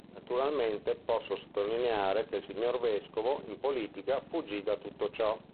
Naturalmente, posso sottolineare che il signor vescovo, in politica, fuggì da tutto ciò.